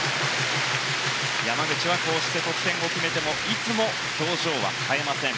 山口はこうして得点を決めてもいつも表情は変えません。